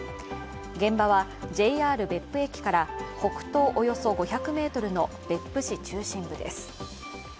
現場はＪＲ別府駅から北東およそ５００ｍの別府市中心部です。